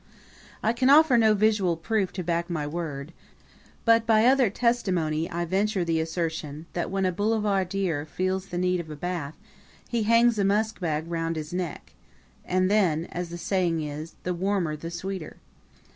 I can offer no visual proof to back my word; but by other testimony I venture the assertion that when a boulevardier feels the need of a bath he hangs a musk bag round his neck and then, as the saying is, the warmer the sweeter.